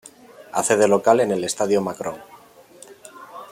Hace de local en el Estadio Macron.